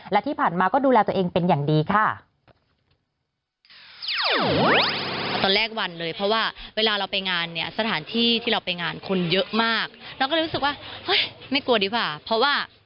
และที่ผ่านมาก็ดูแลตัวเองเป็นอย่างดีค่ะ